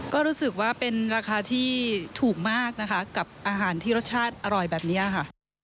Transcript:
ก็รู้สึกว่าเป็นราคาที่ถูกมากนะคะกับอาหารที่รสชาติอร่อยแบบนี้ค่ะ